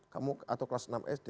kamu atau kelas enam sd